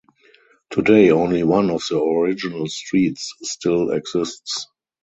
Today only one of the original streets still exists.